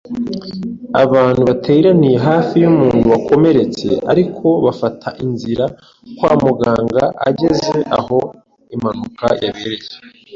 Abantu bateraniye hafi y’umuntu wakomeretse, ariko bafata inzira kwa muganga ageze aho impanuka yabereye